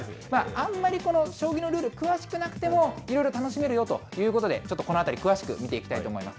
あんまり将棋のルール詳しくなくても、色々楽しめるよということで、ちょっとこのあたり、詳しく見ていきたいと思います。